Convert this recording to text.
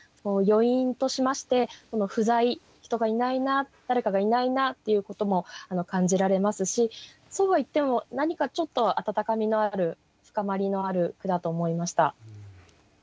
余韻としまして不在人がいないな誰かがいないなっていうことも感じられますしそうは言っても何かちょっと温かみのある深まりのある句だと思いました。